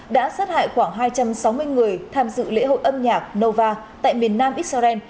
đã sát hại khoảng hai trăm sáu mươi người tham dự lễ hội âm nhạc nova tại miền nam israel